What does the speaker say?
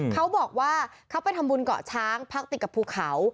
เขาบอกว่าเขาไปทำบุญเกาะช้างพักติดกับภูเขา